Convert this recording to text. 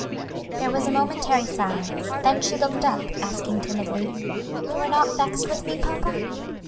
There was a momentary silence; then she looked up, asking timidly, "You are not vexed with me, papa?"